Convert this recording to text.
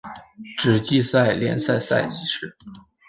只计算联赛赛事。